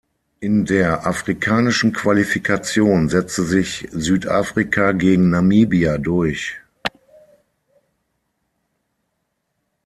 In der afrikanischen Qualifikation setzte sich Südafrika gegen Namibia durch.